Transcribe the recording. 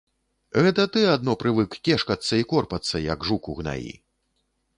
Гэта ты адно прывык кешкацца і корпацца, як жук у гнаі.